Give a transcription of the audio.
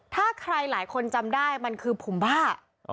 ถ้าใครหลายคนจำได้มันคือผมบ้า